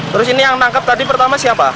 terus ini yang menangkap tadi pertama siapa